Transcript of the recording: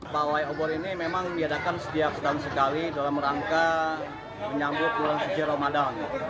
pawai obor ini memang diadakan setiap tahun sekali dalam rangka menyambut bulan suci ramadan